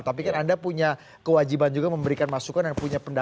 tapi kan anda punya kewajiban juga memberikan masukan dan punya pendapat juga sebagai anggota